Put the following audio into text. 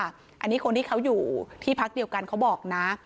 อันนี้คนที่เขาอยู่ที่พักเดียวกันเขาบอกนะ